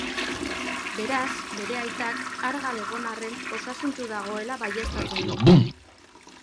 Beraz, bere aitak, argal egon arren osasuntsu dagoela baieztatzen du.